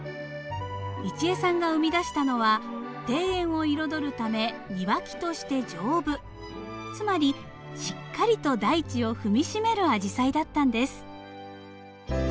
一江さんが生み出したのは庭園を彩るため庭木として丈夫つまりしっかりと大地を踏みしめるアジサイだったんです。